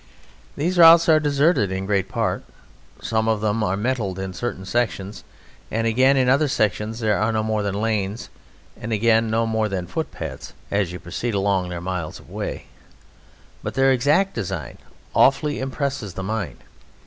These roads are deserted in great part. Some of them are metalled in certain sections, and again in other sections are no more than lanes, and again no more than footpaths, as you proceed along their miles of way; but their exact design awfully impresses the mind.